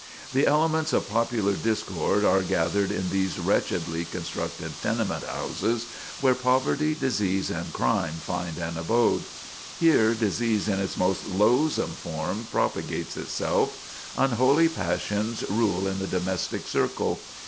The elements of popular discord are gathered in these wretchedly constructed tenement houses, where poverty, disease, and crime find an abode. Here disease in its most loathsome forms propagates itself. Unholy passions rule in the domestic circle.